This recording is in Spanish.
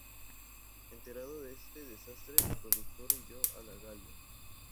Enterado de este desastre, el procurador huyó a la Galia.